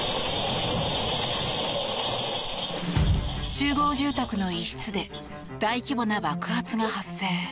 集合住宅の一室で大規模な爆発が発生。